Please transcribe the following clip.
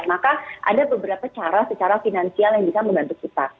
maka ada beberapa cara secara finansial yang bisa membantu kita